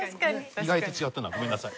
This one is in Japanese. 意外と違ったなごめんなさい。